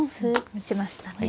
打ちましたね。